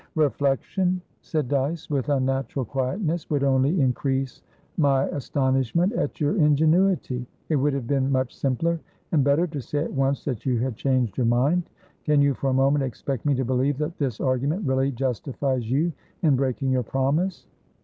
"Reflection," said Dyce, with unnatural quietness, "would only increase my astonishment at your ingenuity. It would have been much simpler and better to say at once that you had changed your mind. Can you for a moment expect me to believe that this argument really justifies you in breaking your promise?"